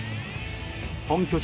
本拠地